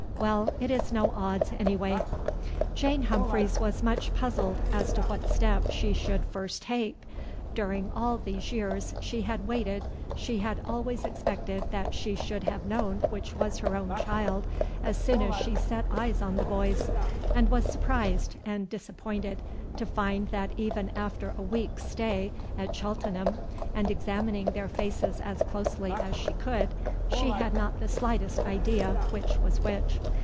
Well, it is no odds any way." Jane Humphreys was much puzzled as to what step she should take first. During all these years she had waited she had always expected that she should have known which was her own child as soon as she set eyes on the boys, and was surprised and disappointed to find that even after a week's stay at Cheltenham, and examining their faces as closely as she could, she had not the slightest idea which was which.